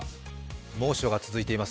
猛暑が続いています。